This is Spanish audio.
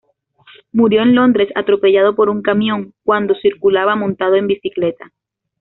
Murió en Londres, atropellado por un camión cuando circulaba montado en bicicleta.